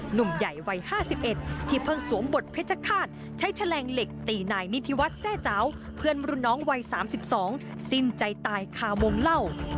หนุ่มใหญ่วัย๕๑ที่เพิ่งสวมบทเพชรฆาตใช้แฉลงเหล็กตีนายนิธิวัฒน์แทร่เจ้าเพื่อนรุ่นน้องวัย๓๒สิ้นใจตายคาวงเล่า